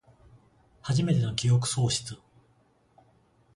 はじめての記憶喪失